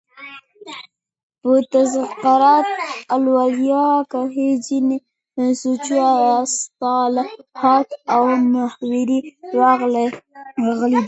په "تذکرة الاولیاء" کښي ځيني سوچه اصطلاحات او محاورې راغلي دي.